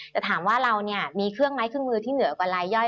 แต่ถามว่าเราเนี่ยมีเครื่องไม้เครื่องมือที่เหนือกว่าลายย่อย